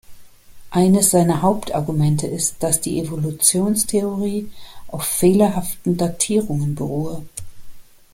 Eines seiner Hauptargumente ist, dass die Evolutionstheorie auf fehlerhaften Datierungen beruhe.